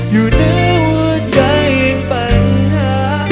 อยู่ในหัวใจยังปัญหา